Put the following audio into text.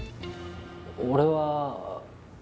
俺は。